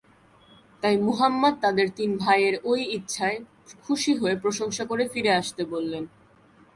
তাই মুহাম্মাদ তাদের তিন ভাইয়ের এই ইচ্ছায় খুশি হয়ে প্রশংসা করে ফিরে আসতে বললেন।